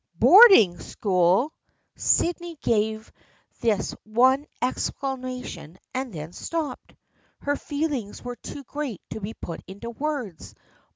" Boarding school !" Sydney gave this one ex clamation and then stopped. Her feelings were too great to be put into words.